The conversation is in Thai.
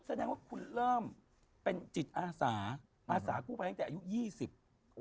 แสดงว่าคุณเริ่มเป็นจิตอาสาอาสากู้ภัยตั้งแต่อายุยี่สิบ